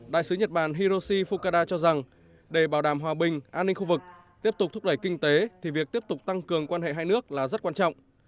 đại sứ nhật bản hiroshi fukada cho rằng để bảo đảm hòa bình an ninh khu vực tiếp tục thúc đẩy kinh tế thì việc tiếp tục tăng cường quan hệ hai nước là rất quan trọng